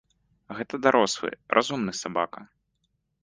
Гэта дарослы, разумны сабака.